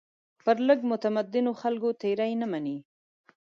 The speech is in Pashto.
پر لږ متمدنو خلکو تېري نه مني.